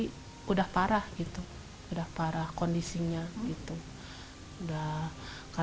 kalau mama dari bayi udah parah kondisinya